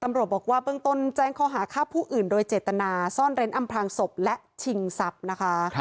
ตำรวจบอกว่าเบื้องต้นแจ้งข้อหาฆ่าผู้อื่นโดยเจตนาซ่อนเร้นอำพลางศพและชิงทรัพย์นะคะ